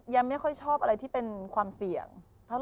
แย่ไม่ค่อยชอบอะไรที่เป็นความเสี่ยงเท่าไหร่